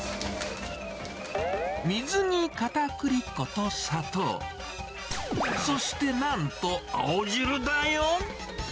水にかたくり粉と砂糖、そしてなんと青汁だよ。